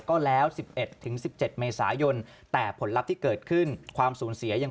ก็แล้ว๑๑๑๑๗เมษายนแต่ผลลัพธ์ที่เกิดขึ้นความสูญเสียยัง